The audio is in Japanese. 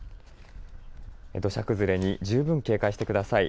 土砂崩れに十分警戒してください。